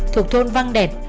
thuộc thôn văn đẹp